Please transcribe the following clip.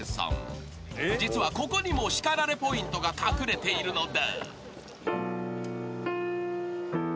［実はここにも叱られポイントが隠れているのだ］